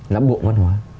là bộ văn hóa